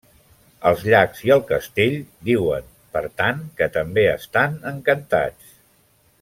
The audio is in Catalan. Els llacs i el castell diuen, per tant, que també estant encantats.